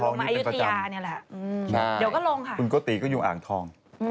มาอายุทยานี่แหละเดี๋ยวก็ลงค่ะคุณโกติก็อยู่อ่างทอง